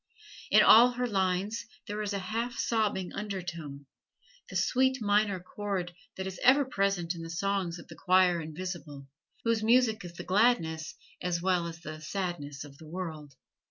In all her lines there is a half sobbing undertone the sweet minor chord that is ever present in the songs of the Choir Invisible, whose music is the gladness as well as the sadness of the world.